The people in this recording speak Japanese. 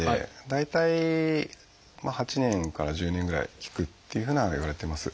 大体８年から１０年ぐらい効くっていうふうにはいわれてます。